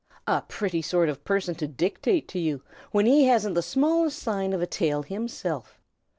"A pretty sort of person to dictate to you, when he hasn't the smallest sign of a tail himself!